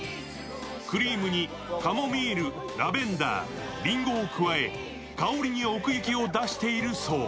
クリームにカモミール、ラベンダーりんごを加え香りに奥行きを出しているそう。